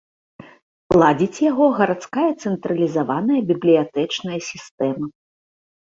Ладзіць яго гарадская цэнтралізаваная бібліятэчная сістэма.